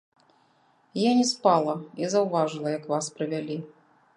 Я не спала і заўважыла, як вас прывялі.